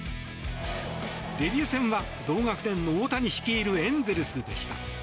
デビュー戦は同学年の大谷率いるエンゼルスでした。